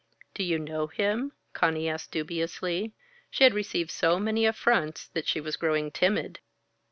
"Do you know him?" Conny asked dubiously. She had received so many affronts that she was growing timid.